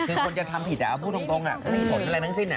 คือคนจะทำผิดเอาพูดตรงผมไม่สนอะไรทั้งสิ้น